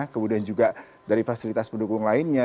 kemudian juga dari fasilitas pendukung lainnya